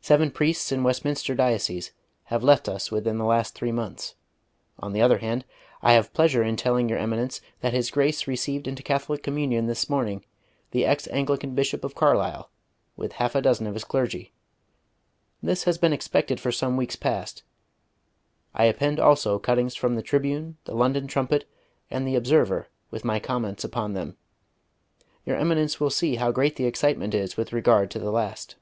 Seven priests in Westminster diocese have left us within the last three months; on the other hand, I have pleasure in telling your Eminence that his Grace received into Catholic Communion this morning the ex Anglican Bishop of Carlisle, with half a dozen of his clergy. This has been expected for some weeks past. I append also cuttings from the Tribune, the London Trumpet, and the Observer, with my comments upon them. Your Eminence will see how great the excitement is with regard to the last.